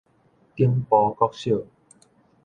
頂埔國小